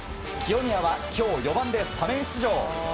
清宮は今日４番でスタメン出場。